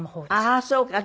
ああーそうか。